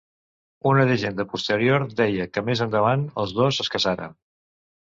Una llegenda posterior deia que més endavant els dos es casaren.